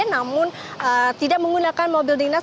namun tidak menggunakan mobil dinas